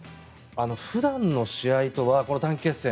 普段の試合とはこの短期決戦